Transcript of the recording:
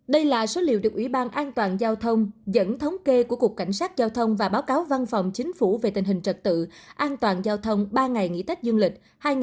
đây là số liệu được ủy ban an toàn giao thông dẫn thống kê của cục cảnh sát giao thông và báo cáo văn phòng chính phủ về tình hình trật tự an toàn giao thông ba ngày nghỉ tết dương lịch hai nghìn hai mươi